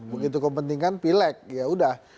begitu kepentingan pilek ya udah